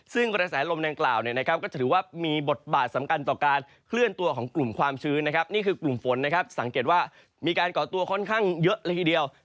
ซึ่งกระแสลมดังกล่าวเนี่ยนะครับก็จะถือว่ามีบทบาทสำคัญต่อการเคลื่อนตัวของกลุ่มความชื้นนะครับนี่คือกลุ่มฝนนะครับสังเกตว่ามีการก่อตัวค่อนข้างเยอะเลยทีเดียว